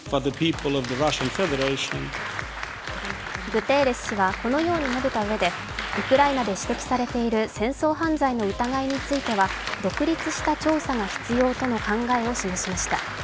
グテーレス氏はこのように述べたうえで、ウクライナで指摘されている戦争犯罪の疑いについては独立した調査が必要との考えを示しました。